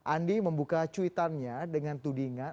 andi membuka cuitannya dengan tudingan